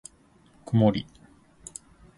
くもり